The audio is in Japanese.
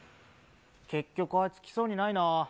結局あいつ、来そうにないな。